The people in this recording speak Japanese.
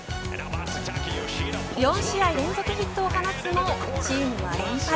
４試合連続ヒットを放つもチームは連敗。